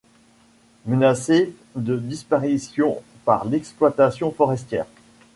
Menacé de disparition par l'exploitation forestière.